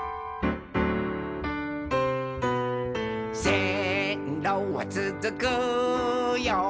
「せんろはつづくよ